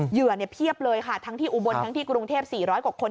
เหยื่อเพียบเลยค่ะทั้งที่อุบลทั้งที่กรุงเทพ๔๐๐กว่าคน